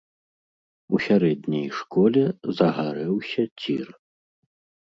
У сярэдняй школе загарэўся цір.